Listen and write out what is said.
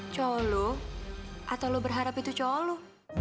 cowok lo atau lo berharap itu cowok lo